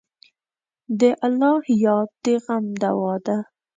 د الله یاد د غم دوا ده.